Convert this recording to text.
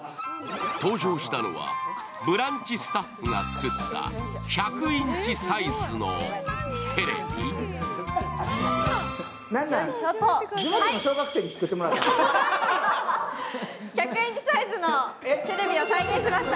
登場したのはブランチスタッフがつくった１００インチサイズのテレビ１００インチサイズのテレビを再現しました。